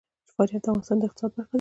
فاریاب د افغانستان د اقتصاد برخه ده.